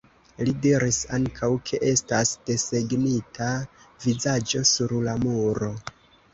Li diris ankaŭ, ke estas desegnita vizaĝo sur la muro.